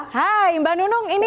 hai mbak nunung ini